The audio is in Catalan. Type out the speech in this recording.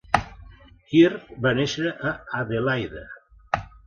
Kirk va néixer a Adelaida.